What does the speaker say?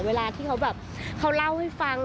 เวลาเขาเล่าให้ฟัง